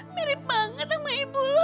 mirip banget sama ibu